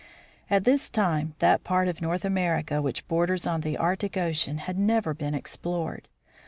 At this time that part of North America which borders on the Arctic ocean had never been explored.